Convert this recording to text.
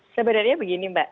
sebenarnya begini mbak